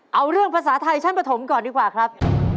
เอาเรื่องภาษาไทยชั้นประถมก่อนดีกว่าครับ